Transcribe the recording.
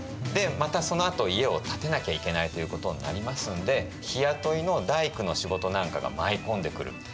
またそのあと家を建てなきゃいけないということになりますんで日雇いの大工の仕事なんかが舞い込んでくる。